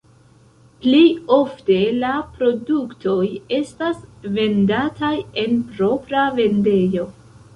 Plej ofte la produktoj estas vendataj en propra vendejo.